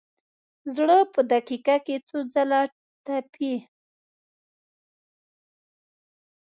زړه په دقیقه کې څو ځله تپي.